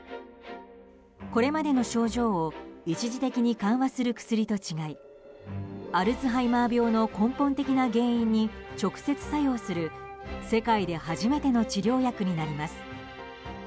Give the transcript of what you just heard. これまでの症状を一時的に緩和する薬と違いアルツハイマー病の根本的な原因に直接作用する、世界で初めての治療薬になります。